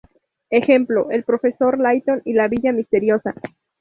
Ejemplo: El Profesor Layton y la Villa Misteriosa.